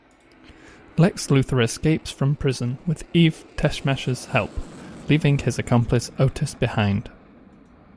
Lex Luthor escapes from prison with Eve Teschmacher's help, leaving his accomplice Otis behind.